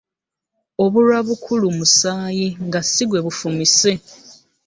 Obulwa bukula musaayi nga sigwe bufimise .